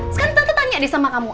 sekarang tante tanya deh sama kamu